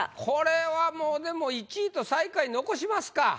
これはもうでも１位と最下位残しますか。